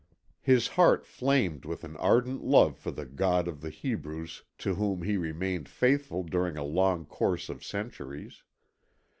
His heart flamed with an ardent love for the god of the Hebrews to whom he remained faithful during a long course of centuries.